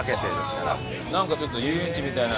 ちょっと遊園地みたいな。